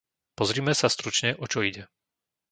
Pozrime sa stručne o čo ide.